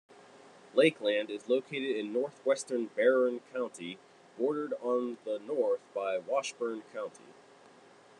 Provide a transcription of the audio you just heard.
Lakeland is located in northwestern Barron County, bordered on the north by Washburn County.